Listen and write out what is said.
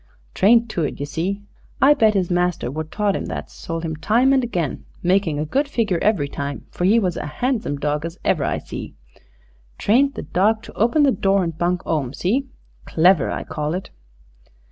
Trained to it, ye see. I bet his master wot taught 'im that's sold him time and again, makin' a good figure every time, for 'e was a 'andsome dawg as ever I see. Trained the dawg to open the door and bunk 'ome. See? Clever, I call it."